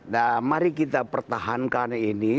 nah mari kita pertahankan ini